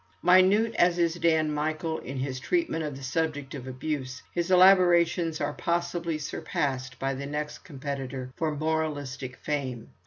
Minute as is Dan Michael in his treatment of the subject of abuse, his elaborations are possibly surpassed by the next competitor for moralistic fame.